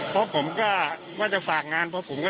เพราะผมก็ว่าจะฝากงานเพราะผมไม่ได้นอนเลย